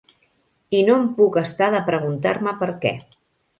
I no em puc estar de preguntar-me per què.